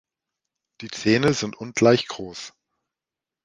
Die Zähne sind ungleich groß.